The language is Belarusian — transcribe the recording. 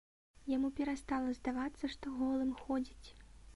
Яму перастала здавацца, што голым ходзіць.